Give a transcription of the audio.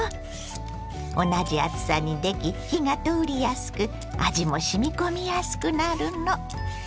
同じ厚さにでき火が通りやすく味もしみ込みやすくなるの。